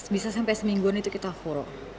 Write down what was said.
bisa sampai semingguan itu kita huruf